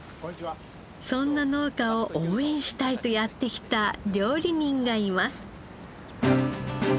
そんな農家を応援したいとやって来た料理人がいます。